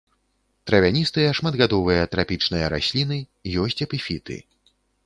Травяністыя шматгадовыя трапічныя расліны, ёсць эпіфіты.